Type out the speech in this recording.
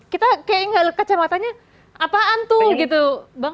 kita kayak nggak leket sama katanya apaan tuh gitu bang